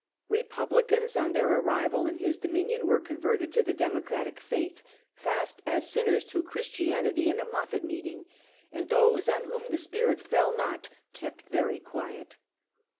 Republicans on their arrival in his dominion, were converted to the Democratic faith, fast as sinners to Christianity in a Maffitt meeting, and those on whom the spirit fell not, kept very quiet.